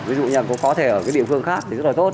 ví dụ như cũng có thể ở cái địa phương khác thì rất là tốt